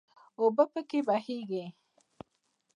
اوبه پکې بهیږي.